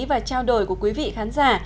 và trao đổi của quý vị khán giả